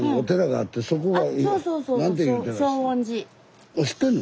あ知ってんの？